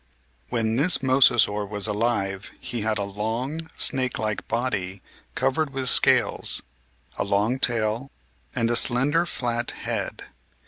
When this Mosasaur was alive he had a long, snakelike body covered with scales, a long tail, and a slender flat head.